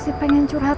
siapazigat diri sayang